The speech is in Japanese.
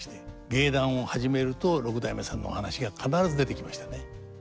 芸談を始めると六代目さんのお話が必ず出てきましたね。